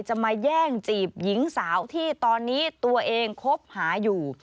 จะมาแย่งจีบหญิงสาวที่ตอนนี้ตัวเองคบหาอยู่